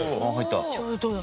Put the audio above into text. ちょうどだ。